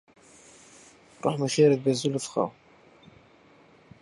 روحمی خێرت بێ زولف خاو